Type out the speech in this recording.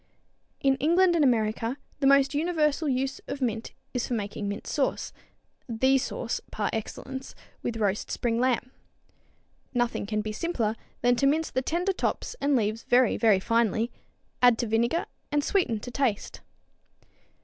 In England and America the most universal use of mint is for making mint sauce, the sauce par excellence with roast spring lamb. Nothing can be simpler than to mince the tender tops and leaves very, very finely, add to vinegar and sweeten to taste.